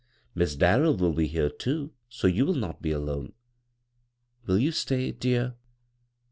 Miss Dairell will be here too, so you will not be alone. Will you stay, dear?